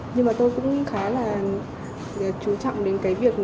nhưng mà tôi cũng khá là chú trọng đến cái việc